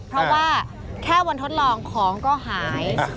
เพราะว่าแค่วันทดลองของก็หาย